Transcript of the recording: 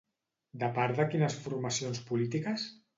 De part de quines formacions polítiques?